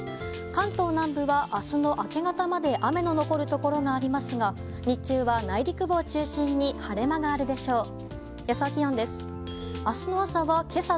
関東南部は明日の明け方まで雨の残るところがありますが日中は内陸部を中心に晴れ間があるでしょう。